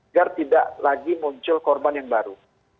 agar tidak lagi muncul korban yang baru